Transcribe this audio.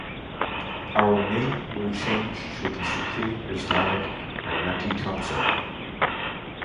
Our name will change to the Supreme Islamic Iraqi Council.